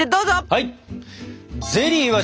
はい！